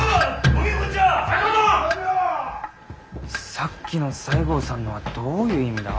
さっきの西郷さんのはどういう意味だ？